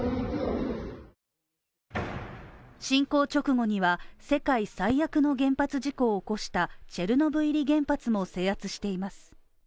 侵攻直後には世界最悪の原発事故を起こしたチェルノブイリ原発も制圧しています。